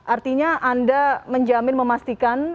artinya anda menjamin memastikan